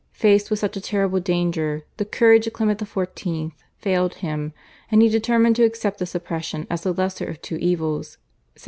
Faced with such a terrible danger, the courage of Clement XIV. failed him, and he determined to accept the suppression as the lesser of two evils (1772).